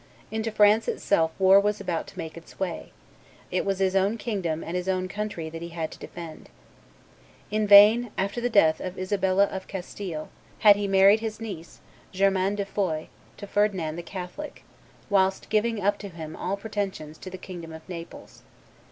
Into France itself war was about to make its way; it was his own kingdom and his own country that he had to defend. In vain, after the death of Isabella of Castile, had he married his niece, Germaine de Foix, to Ferdinand the Catholic, whilst giving up to him all pretensions to the kingdom of Naples.